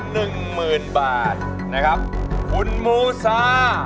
เพลงที่เจ็ดเพลงที่แปดแล้วมันจะบีบหัวใจมากกว่านี้